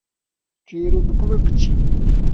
Tu yê îro bi ku ve biçî?